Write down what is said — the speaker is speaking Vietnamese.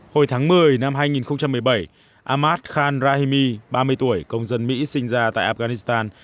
hồi tháng một mươi năm hai nghìn một mươi bảy amad khan rahimi ba mươi tuổi công dân mỹ sinh ra tại afghanistan